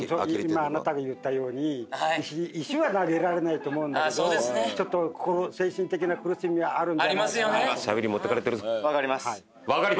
今あなたが言ったように石は投げられないと思うんだけどちょっと精神的な苦しみはあるんじゃないかなありますよね